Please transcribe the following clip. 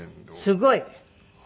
すごい。